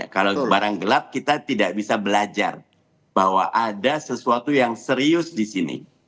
kalau barang gelap kita tidak bisa belajar bahwa ada sesuatu yang serius di sini